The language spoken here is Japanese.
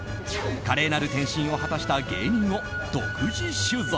華麗なる転身を果たした芸人を独自取材。